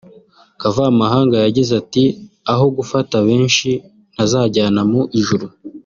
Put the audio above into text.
Kavamahanga yagize ati “Aho gufata benshi ntazajyana mu ijuru